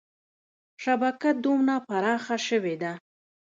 شبکه دونه پراخه شوې ده.